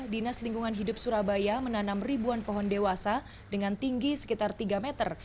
dinas lingkungan hidup surabaya menanam ribuan pohon dewasa dengan tinggi sekitar tiga meter